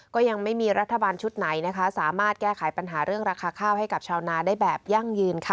ก็ยังไม่มีรัฐบาลชุดไหนนะคะสามารถแก้ไขปัญหาเรื่องราคาข้าวให้กับชาวนาได้แบบยั่งยืนค่ะ